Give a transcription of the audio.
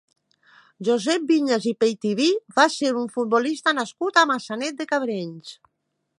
Josep Viñas i Peitiví va ser un futbolista nascut a Maçanet de Cabrenys.